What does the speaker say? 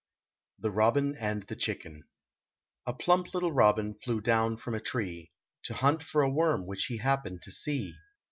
THE ROBIN AND THE CHICKEN A plump little robin flew down from a tree, To hunt for a worm which he happened to see.